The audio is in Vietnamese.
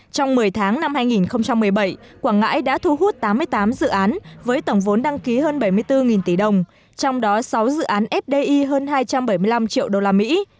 trong một mươi tháng năm hai nghìn một mươi bảy quảng ngãi đã thu hút tám mươi tám dự án với tổng vốn đăng ký hơn bảy mươi bốn tỷ đồng trong đó sáu dự án fdi hơn hai trăm bảy mươi năm triệu đô la mỹ